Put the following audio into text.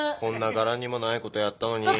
こんな柄にもないことやったのに。